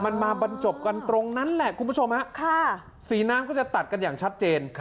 มันมาบรรจบกันตรงนั้นแหละคุณผู้ชมฮะสีน้ำก็จะตัดกันอย่างชัดเจน